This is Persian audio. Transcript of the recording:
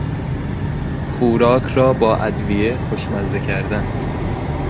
خوراک را با ادویه خوشمزه کردن